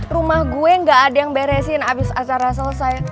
rumah gue gak ada yang beresin abis acara selesai